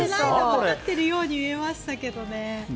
わかってるように見えましたけどね。